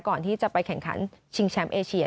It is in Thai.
ก่อนที่จะไปแข่งขันชิงแชมป์เอเชีย